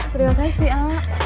terima kasih a